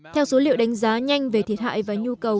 theo số liệu đánh giá nhanh về thiệt hại và tổn thất kinh tế